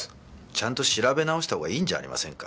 ちゃんと調べ直した方がいいんじゃありませんか？